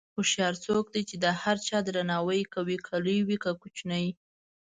هوښیار څوک دی چې د هر چا درناوی کوي، که لوی وي که کوچنی.